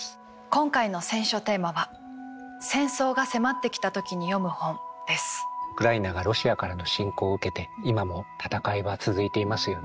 今回の選書テーマはウクライナがロシアからの侵攻を受けて今も戦いは続いていますよね。